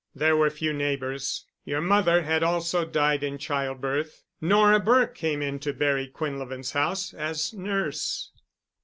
There were few neighbors. Your mother had also died in childbirth. Nora Burke came into Barry Quinlevin's house as nurse."